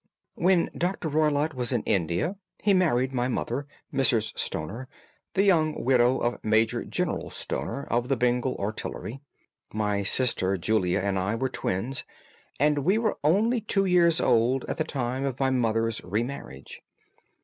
"When Dr. Roylott was in India he married my mother, Mrs. Stoner, the young widow of Major General Stoner, of the Bengal Artillery. My sister Julia and I were twins, and we were only two years old at the time of my mother's re marriage.